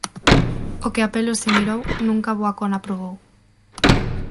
O que a pelos se mirou, nunca boa cona probou